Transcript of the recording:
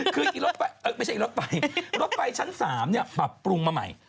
คือไม่ใช่รถไฟรถไฟชั้น๓ปรับปรุงมาใหม่